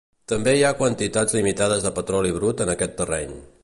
També hi ha quantitats limitades de petroli brut en aquest terreny.